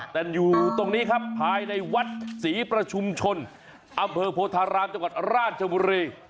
แต่อยู่ตรงนี้ครับภายในวัดศรีประชุมชนอำเภอโพธารามจังหวัดราชบุรี